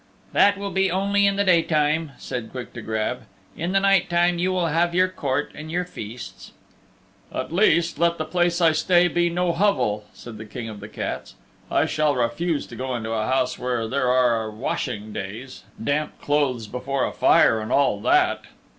"That will be only in the daytime," said Quick to Grab, "in the night time you will have your court and your feasts." "At least, let the place I stay in be no hovel," said the King of the Cats. "I shall refuse to go into a house where there are washing days damp clothes before a fire and all that."